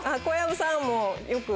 小籔さんも。